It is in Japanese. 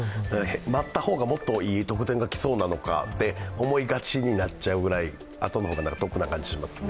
待った方がもっといい特典がきそうなのかと思いがちになっちゃうぐらい、あとの方が得な感じがしますね。